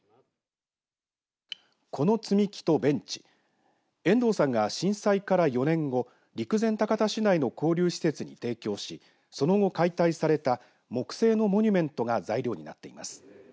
この積み木とベンチ遠藤さんが震災から４年後陸前高田市内の交流施設に提供しその後解体された木製のモニュメントが材料になっています。